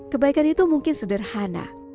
kebaikan itu mungkin sederhana